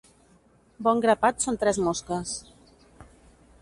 Bon grapat són tres mosques.